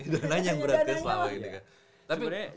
dananya yang berarti selama ini kan